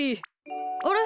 あれ？